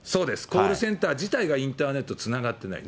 コールセンター自体がインターネットつながってない。